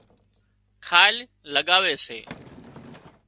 کال لڳاوي سي